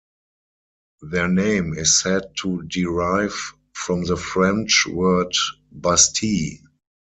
Their name is said to derive from the French word "bastille".